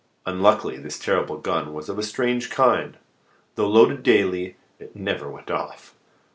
Unluckily, this terrible gun was of a strange kind: "though loaded daily, it never went off."